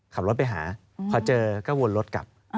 ขับรถไปหาพอเจอก็วนรถกลับ